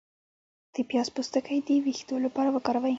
د پیاز پوستکی د ویښتو لپاره وکاروئ